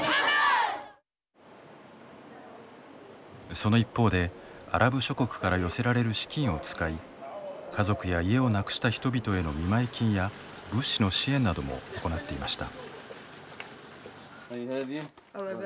その一方でアラブ諸国から寄せられる資金を使い家や家族をなくした人々への見舞い金や物資の支援なども行っていました。